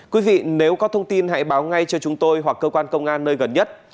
quý vị nếu có thông tin hãy báo ngay cho chúng tôi hoặc cơ quan công an nơi gần nhất